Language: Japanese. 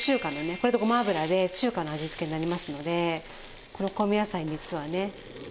これとごま油で中華の味付けになりますのでこの香味野菜３つはねポイントですね。